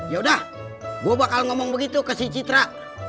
ya sudah gue bakal ngomong begitu ke citra